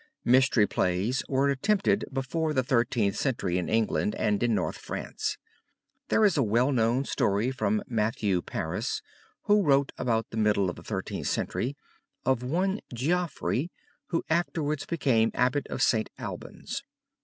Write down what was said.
Mystery plays were attempted before the Thirteenth Century in England and in North France. There is a well known story from Matthew Paris, who wrote about the middle of the Thirteenth Century, of one Geoffrey who afterwards became Abbot of St. Albans.